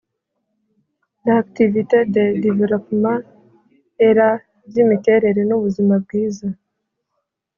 L activit des developpement et la by iterambere n ubuzima bwiza